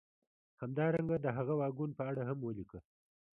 همدارنګه د هغه واګون په اړه هم ولیکه